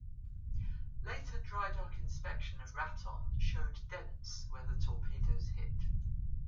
Later dry-dock inspection of Raton showed dents where the torpedoes hit.